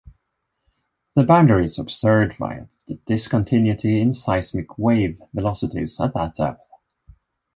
The boundary is observed via the discontinuity in seismic wave velocities at that depth.